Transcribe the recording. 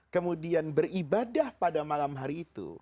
kemudian beribadah pada malam hari itu